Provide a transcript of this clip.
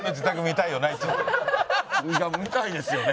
見たいですよね。